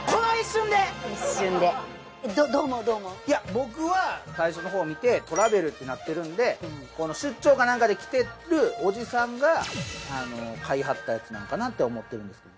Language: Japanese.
僕は最初のほう見てトラベルってなってるんで出張かなんかで来てるオジさんが買いはったやつなんかなって思ってるんですけど。